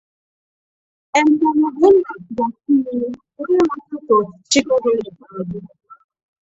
Emperor Ogbonna bụ ọkaiwu onye na-akatọ ọchịchị gọvanọ Ikpeazu.